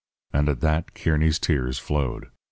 And at that Kearny's tears flowed.